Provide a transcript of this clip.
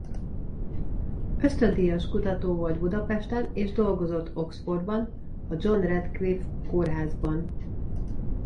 Ösztöndíjas kutató volt Budapesten és dolgozott Oxfordban a John Radcliffe kórházban.